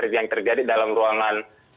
yang terjadi dalam ruangan